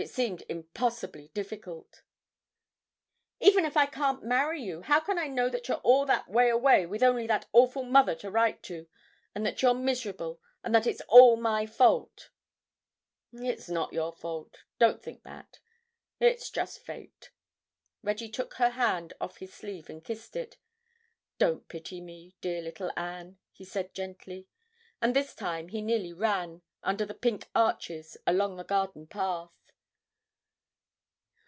It seemed impossibly difficult. "Even if I can't marry you, how can I know that you're all that way away, with only that awful mother to write to, and that you're miserable, and that it's all my fault?" "It's not your fault. Don't think that. It's just fate." Reggie took her hand off his sleeve and kissed it. "Don't pity me, dear little Anne," he said gently. And this time he nearly ran, under the pink arches, along the garden path.